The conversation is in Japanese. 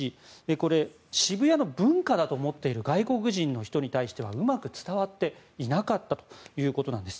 これ、渋谷の文化だと思っている外国人の人にはうまく伝わっていなかったということなんです。